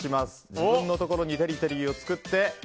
自分のところにテリトリーを作り